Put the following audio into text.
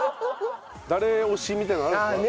誰推しみたいなのあるんですか？